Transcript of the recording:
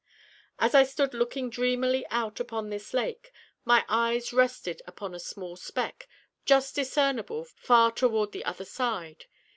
As I stood looking dreamily out upon this lake, my eyes rested upon a small speck, just discernible far toward the other side.